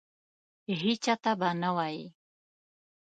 هیچا ته به نه وایې !